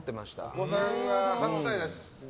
お子さんが８歳ですしね。